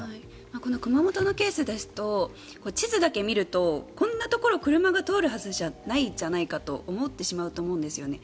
この熊本のケースですと地図だけ見るとこんなところ車が通るわけないじゃないかと思うと思うんですよね。